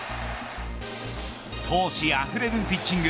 闘志あふれるピッチング